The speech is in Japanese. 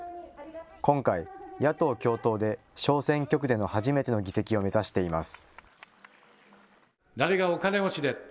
今回、野党共闘で小選挙区での初めての議席を目指しています。